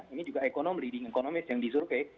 ini juga ekonom leading ekonomist yang disurvei